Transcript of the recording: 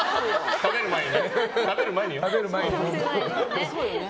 食べる前に飲む。